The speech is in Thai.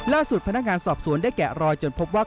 พนักงานสอบสวนได้แกะรอยจนพบว่า